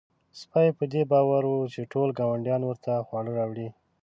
سپی په دې باور و چې ټول ګاونډیان ورته خواړه راوړي.